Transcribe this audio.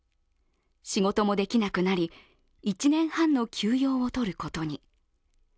仕事もできなくなり１年半の休養をとることに。